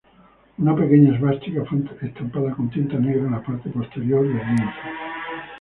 Una pequeña esvástica fue estampada con tinta negra en la parte posterior del lienzo.